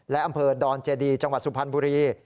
และอำเภอดอนเจดีจังหวัดสุพรรณบุรี